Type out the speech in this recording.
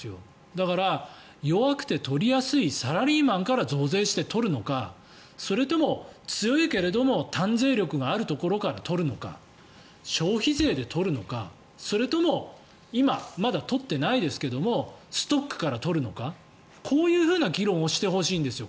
だから、弱くて取りやすいサラリーマンから増税して取るのかそれとも強いけども担税力があるところから取るのか消費税で取るのかそれとも今、まだ取ってないですがストックから取るのかこういう議論をしてほしいんですよ